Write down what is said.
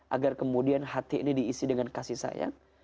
agar kemudian hati ini diisi dengan kasih sayang